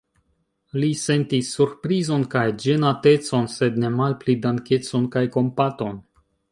Li sentis surprizon kaj ĝenatecon, sed ne malpli dankecon kaj kompaton.